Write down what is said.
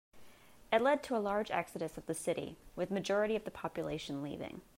It led to a large exodus of the city, with a majority of the population leaving.